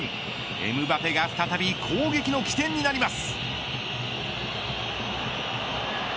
エムバペが再び攻撃の起点になります。